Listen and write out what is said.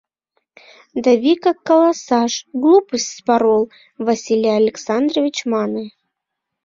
— Да, вигак каласаш, глупость спорол, — Василий Александрович мане.